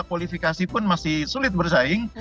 kualifikasi pun masih sulit bersaing